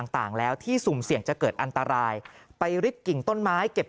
ต่างแล้วที่สุ่มเสี่ยงจะเกิดอันตรายไปริดกิ่งต้นไม้เก็บ